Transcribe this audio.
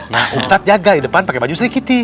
nah ustaz jaga di depan pakai baju serik giti